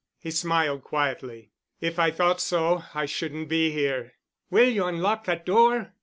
He smiled quietly. "If I thought so, I shouldn't be here." "Will you unlock that door?"